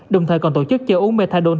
đồng thời còn tổ chức chơi uống methadone